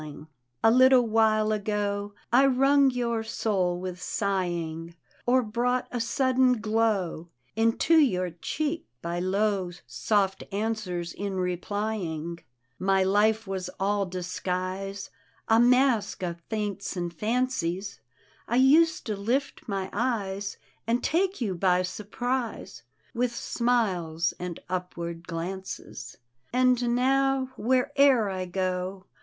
D,gt,, erihyGOOgle The Haunted Hour A little while ago I wrung your soul with sigjung Or brought a sudden glow Into your cheek by low Soft answen, in replying. My life was all di^uise, A mask of feints and fancies; I used to lift my eyes, And take you by surprise With smiles and upward glances. And now, where'er I go.